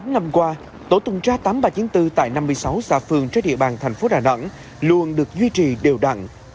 tám năm qua tổ tuần tra tám nghìn ba trăm chín mươi bốn tại năm mươi sáu xã phường trên địa bàn thành phố đà nẵng luôn được duy trì đều đặn